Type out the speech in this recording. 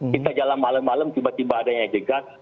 kita jalan malam malam tiba tiba adanya cegat